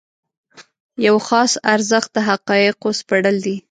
یو خاص ارزښت د حقایقو سپړل دي.